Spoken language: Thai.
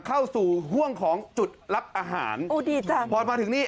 เข้าสู่ห่วงของจุดรับอาหารโอ้ดีจังพอมาถึงนี่